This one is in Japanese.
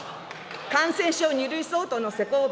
感染症２類相当の施行日